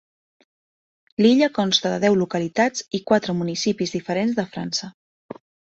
L'illa consta de deu localitats i quatre municipis diferents de França.